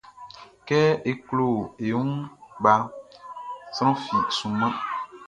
Kɛ e klo e wun kpaʼn, sran fi sunman.